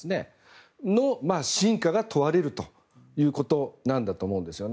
その真価が問われるということなんだと思うんですよね。